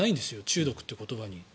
中毒という言葉に。